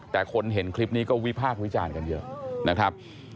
แต่คนเห็นคลิปนี้ก็วิพากษ์วิจารณ์กันเยอะนะครับ